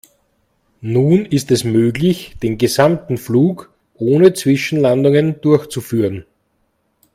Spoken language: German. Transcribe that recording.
Nun ist es möglich, den gesamten Flug ohne Zwischenlandungen durchzuführen.